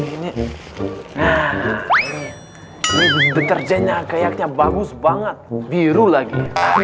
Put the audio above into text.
ini terjadinya kayaknya bagus banget biru lagi